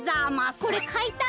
これかいたい。